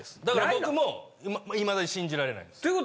だから僕もいまだに信じられないんです。